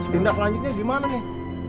tindak lanjutnya gimana nih